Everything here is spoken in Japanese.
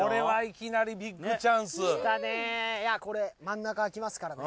きたねいやこれ真ん中開きますからね。